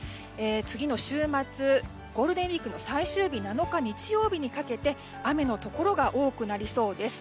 次の週末、ゴールデンウィークの最終日の７日、日曜にかけて雨のところが多くなりそうです。